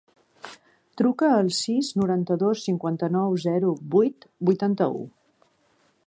Truca al sis, noranta-dos, cinquanta-nou, zero, vuit, vuitanta-u.